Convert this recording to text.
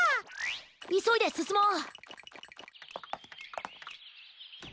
いそいですすもう。